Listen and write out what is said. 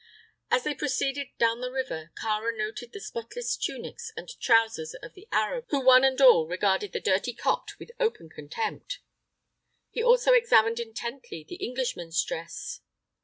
As they proceeded down the river, Kāra noted the spotless tunics and trousers of the Arabs, who one and all regarded "the dirty Copt" with open contempt. He also examined intently the Englishman's dress.